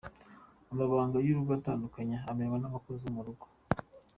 Amabanga y’urugo atandukanye amenwa n’abakozi bo mu ngo.